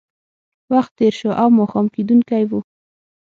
وخت تېر شو او ماښام کېدونکی و